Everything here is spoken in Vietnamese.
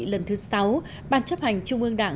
lần thứ sáu ban chấp hành trung ương đảng